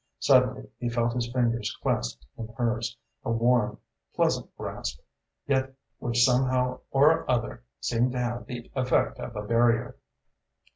Suddenly he felt his fingers clasped in hers, a warm, pleasant grasp, yet which somehow or other seemed to have the effect of a barrier.